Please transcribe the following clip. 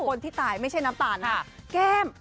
คนที่ตายไม่ใช่น้ำตาลนะแก้ม